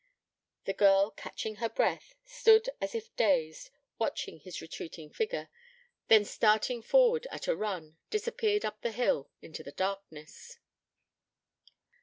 The girl, catching at her breath, stood as if dazed, watching his retreating figure; then starting forward at a run, disappeared up the hill, into the darkness.